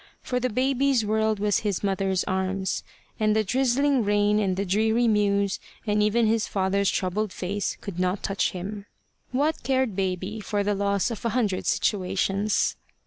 For the baby's world was his mother's arms; and the drizzling rain, and the dreary mews, and even his father's troubled face could not touch him. What cared baby for the loss of a hundred situations?